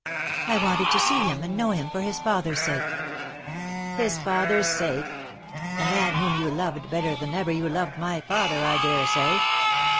I wanted to see him and know him for his father's sake.^^ " His father^s sake !— a man whom you loved better than ever you loved my father, I dare say."